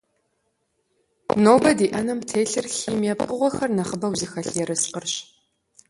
Нобэ ди Ӏэнэхэм телъыр химие пкъыгъуэхэр нэхъыбэу зыхэлъ ерыскъырщ.